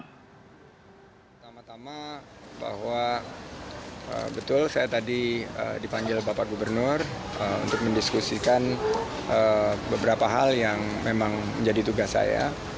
pertama tama bahwa betul saya tadi dipanggil bapak gubernur untuk mendiskusikan beberapa hal yang memang menjadi tugas saya